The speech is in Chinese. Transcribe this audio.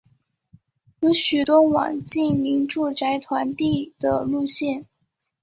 有许多网近邻住宅团地的路线。